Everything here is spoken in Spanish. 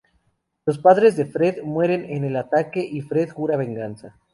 Los padres de Fred mueren en el ataque, y Fred jura venganza.